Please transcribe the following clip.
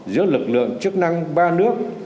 giữa lực lượng chức năng ba nước